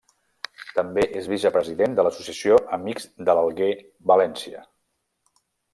També és vicepresident de l'Associació Amics de l'Alguer València.